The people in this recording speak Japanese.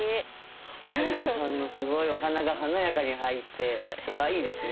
平さんのすごいお花が華やかに入ってかわいいですね。